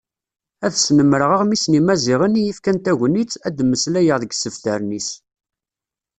Ad snemreɣ Aɣmis n Yimaziɣen iyi-yefkan tagnit, ad d-mmeslayeɣ deg yisebtaren-is.